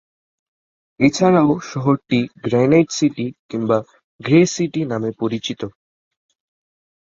এছাড়াও, শহরটি "granite city" কিংবা "গ্রে সিটি" নামে পরিচিত।